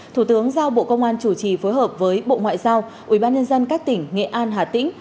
thủ tướng giao bộ công an chủ trì phối hợp với bộ ngoại giao ubnd các tỉnh nghệ an hà tĩnh